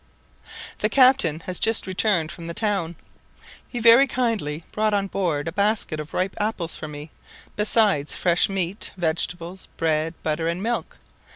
] The captain has just returned from the town. He very kindly brought on board a basket of ripe apples for me, besides fresh meat, vegetables, bread, butter, and milk.